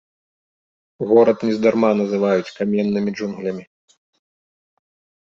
Горад нездарма называюць каменнымі джунглямі.